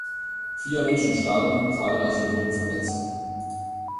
Vier Menschen starben, zahlreiche wurden verletzt.